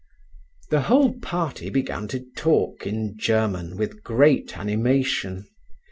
The whole party began to talk in German with great animation.